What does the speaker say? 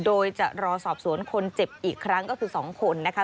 โดยจะรอสอบสวนคนเจ็บอีกครั้งก็คือ๒คนนะคะ